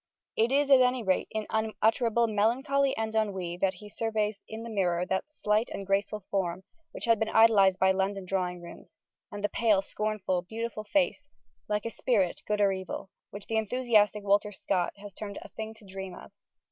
It is, at any rate, in unutterable melancholy and ennui that he surveys in the mirror that slight and graceful form, which had been idolised by London drawing rooms, and that pale, scornful, beautiful face, "like a spirit, good or evil," which the enthusiastic Walter Scott has termed a thing to dream of.